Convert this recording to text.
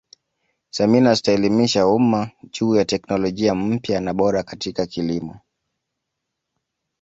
semina zitaelimisha umma juu ya teknolojia mpya na bora katika kilimo